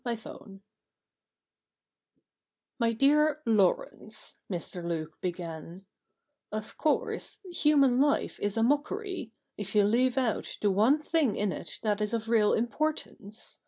CHAPTER HI ' My dear I^urence,' Mr. Luke began, ' of course human life is a mockery, if you leave out the one thing in it that is of real importance.